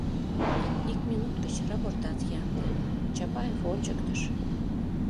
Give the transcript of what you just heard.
Ик минут гыч рапортат ямде, Чапаев ончыктыш.